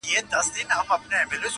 د کښتۍ مخي ته پورته سول موجونه.!